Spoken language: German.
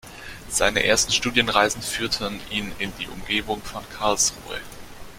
Seine ersten Studienreisen führten ihn in die Umgebung von Karlsruhe.